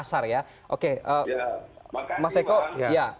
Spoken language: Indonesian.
pak zulkifli ketua brigade muslim indonesia dari makassar